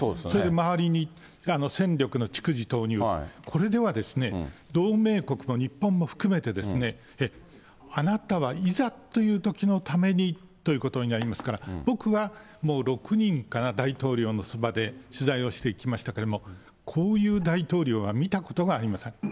それで周りに、戦力の逐次投入、これでは、同盟国の日本も含めて、あなたはいざというときのためにということになりますから、僕はもう、６人から、大統領のそばで取材をしてきましたけれども、こういう大統領は見たことがありません。